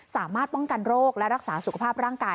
สามารถป้องกันโรคและรักษาสุขภาพร่างกาย